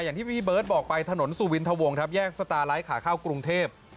อย่างที่พี่เบิร์ตบอกไปถนนสุวินทวงครับแยกสตาร์ไลท์ขาเข้ากรุงเทพ